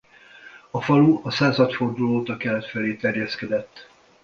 A falu a századforduló óta kelet felé terjeszkedett.